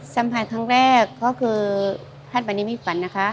สัมผัสครั้งแรกก็คือท่านวันนี้ไม่ฝันนะคะ